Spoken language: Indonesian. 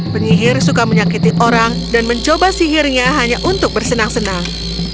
penyihir suka menyakiti orang dan mencoba sihirnya hanya untuk bersenang senang